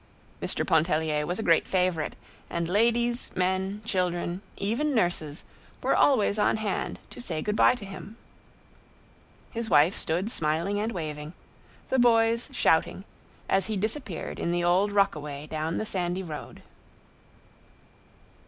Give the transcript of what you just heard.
Mr. Pontellier was a great favorite, and ladies, men, children, even nurses, were always on hand to say good by to him. His wife stood smiling and waving, the boys shouting, as he disappeared in the old rockaway down the sandy road.